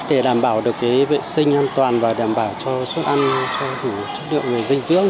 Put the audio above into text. để đảm bảo được vệ sinh an toàn và đảm bảo cho suất ăn cho đủ chất lượng dinh dưỡng